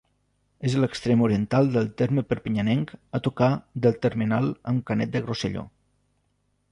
És a l'extrem oriental del terme perpinyanenc, a tocar del termenal amb Canet de Rosselló.